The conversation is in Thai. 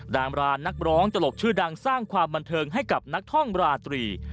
ดามรานักร้องตลกชื่อดังสร้างความบันเทิงให้กับนักท่องราตรี